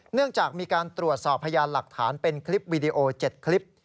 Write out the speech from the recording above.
เนื่องจากมีการตรวจสอบพยานหลักฐานเป็นคลิปวีดีโอ๗คลิป